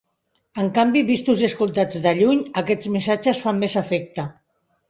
En canvi, vistos i escoltats de lluny, aquests missatges fan més efecte.